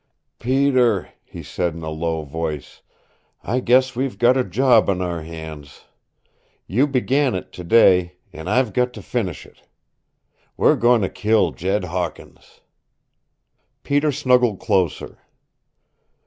"Peter," he said in a low voice, "I guess we've got a job on our hands. You began it today and I've got to finish it. We're goin' to kill Jed Hawkins!" Peter snuggled closer.